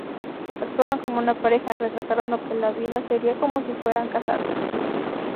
Actuaron como una pareja, retrataron lo que la vida sería como si fueran casados.